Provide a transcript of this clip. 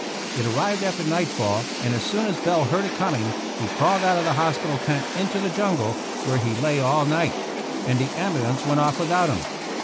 It arrived aftei nightfall, and as soon as Bell heard it coming, he crawled out of the hospital tent into the jungle, where he lay all night; and the ambulance went off without him.